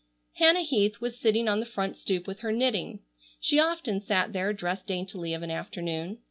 Hannah Heath was sitting on the front stoop with her knitting. She often sat there dressed daintily of an afternoon.